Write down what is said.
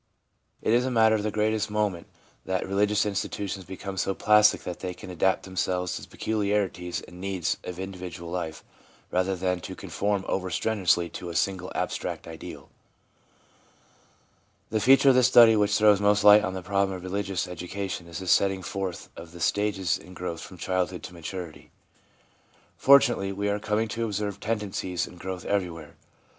It is a matter of the greatest moment that religious institutions become so plastic that they can adapt themselves to the peculiarities and needs of individual life, rather than to conform over strenuously to a single, abstract ideal. The feature of the study which throws most light on the problem of religious education is the setting forth of the stages in growth from childhood to maturity. Fortunately, we are coming to observe tendencies in growth everywhere.